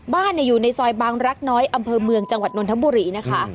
บ้านอยู่ในซอยบางรักน้อยอำเภอเมืองจังหวัดนนทบุรีนะคะ